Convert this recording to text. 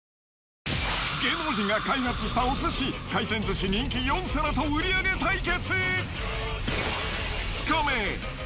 芸能人が開発したお寿司、回転寿司人気４皿と売り上げ対決。